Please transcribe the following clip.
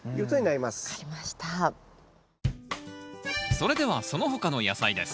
それではその他の野菜です。